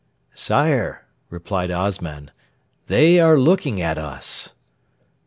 'Sire,' replied Osman, 'they are looking at us.'